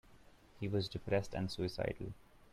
He was depressed and suicidal.